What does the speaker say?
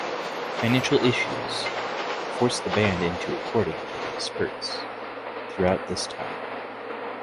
Financial issues forced the band into recording it in spurts, throughout this time.